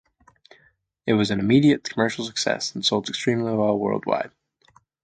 It was an immediate commercial success and sold extremely well worldwide.